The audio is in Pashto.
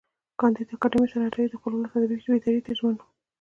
کانديد اکاډميسن عطایي د خپل ولس ادبي بیداري ته ژمن و.